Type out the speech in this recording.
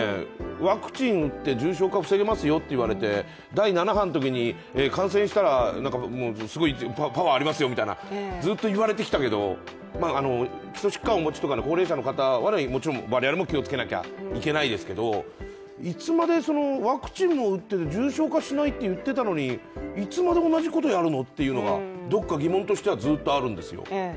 ワクチンって重症化を防げますよと言われて、第７波のときに感染したら、パワーありますよみたいなずっと言われてきたけど、基礎疾患をお持ちとか高齢者の方とか、もちろん我々も気をつけなきゃいけないですけど、いつまで、ワクチンも打っていて、重症化しないって言ってたのにいつまで同じことやるのっていうのはどっか疑問としてはずっとあるんですよ。